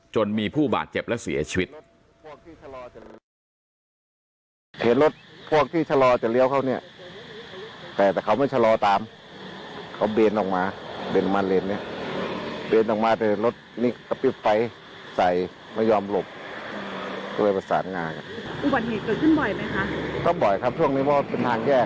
จนมีผู้บาดเจ็บและเสียชีวิต